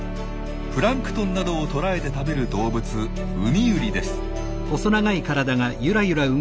プランクトンなどを捕らえて食べる動物ウミユリです。